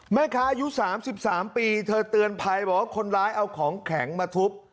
แม่ค้าอายุ๓๓ปีเธอเตือนภัยบอกว่าคนร้ายเอาของแข็งมาทุบ